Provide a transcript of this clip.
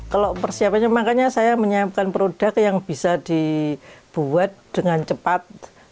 kalau persiapannya makanya saya menyiapkan produk yang bisa dibuat dengan cepat